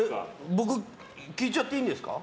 聞いちゃっていいんですか。